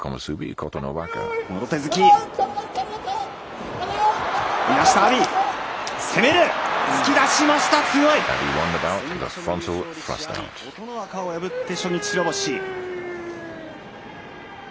琴ノ若を破って初日白星。